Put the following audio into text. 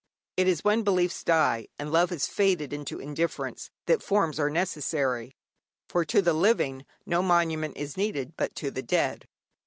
It is when beliefs die, and love has faded into indifference, that forms are necessary, for to the living no monument is needed, but to the dead.